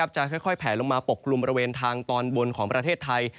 จะค่อยแผลลงมาปกกลุ่มบริเวณทางตอนบนของประเทศไทย